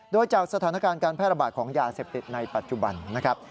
โดยจากสถานการณ์การแพร่ระบาดของยาเสพติดในปัจจุบันนะครับ